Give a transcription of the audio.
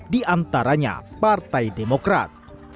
di antaranya partai demokrat